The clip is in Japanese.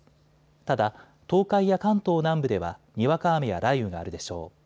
ただ東海や関東南部ではにわか雨や雷雨があるでしょう。